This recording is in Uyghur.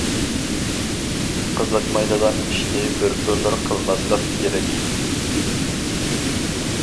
قىزىقمايدىغان ئىشنى بىر ئۆمۈر قىلماسلىق كېرەك.